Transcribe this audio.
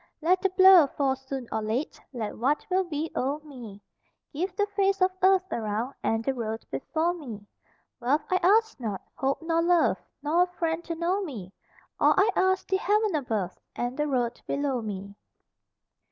Let the blow fall soon or late, Let what will be o'er me; Give the face of earth around, And the road before me. Wealth I ask not, hope nor love, Nor a friend to know me; All I ask, the heaven above And the road below me.